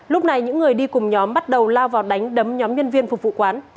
lúc này những người đi cùng nhóm bắt đầu lao vào đánh đấm nhóm nhân viên phục vụ quán